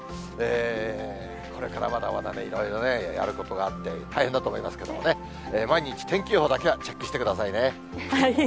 これからまだまだね、いろいろね、やることがあって、大変だと思いますけれどもね、毎日天気予報だけはチェックしてくださいね。